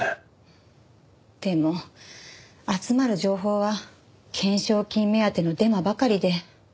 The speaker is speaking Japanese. でも集まる情報は懸賞金目当てのデマばかりで。